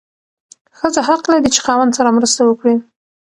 ښځه حق لري چې خاوند سره مرسته وکړي.